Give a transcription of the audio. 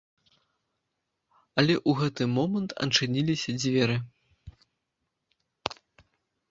Але ў гэты момант адчыніліся дзверы.